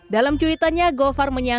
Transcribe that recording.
dalam cuitannya govar menyatakan